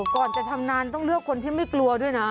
ก่อนจะชำนาญต้องเลือกคนที่ไม่กลัวด้วยนะ